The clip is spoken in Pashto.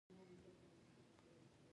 ایا زه باید امبولانس ته زنګ ووهم؟